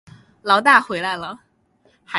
牢大回来了